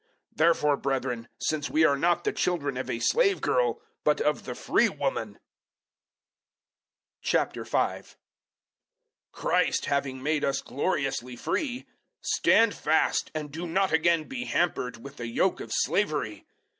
004:031 Therefore, brethren, since we are not the children of a slave girl, but of the free woman 005:001 Christ having made us gloriously free stand fast and do not again be hampered with the yoke of slavery.